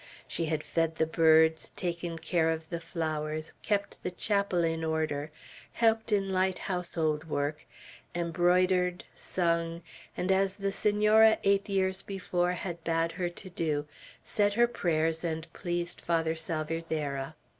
She had fed the birds, taken care of the flowers, kept the chapel in order, helped in light household work, embroidered, sung, and, as the Senora eight years before had bade her do, said her prayers and pleased Father Salvierderra.